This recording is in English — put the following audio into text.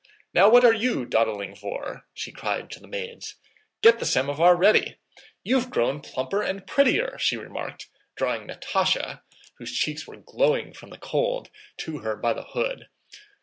Now what are you dawdling for?" she cried to the maids. "Get the samovar ready!... You've grown plumper and prettier," she remarked, drawing Natásha (whose cheeks were glowing from the cold) to her by the hood.